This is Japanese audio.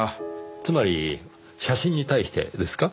つまり写真に対してですか？